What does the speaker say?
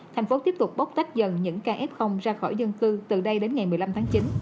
thành phố tiếp tục bóc tách dần những ca f ra khỏi dân cư từ đây đến ngày một mươi năm tháng chín